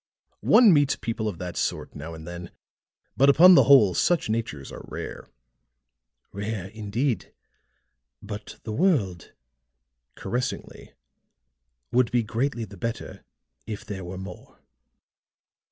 "One meets people of that sort now and then, but upon the whole such natures are rare." "Rare, indeed! But the world," caressingly, "would be greatly the better if there were more."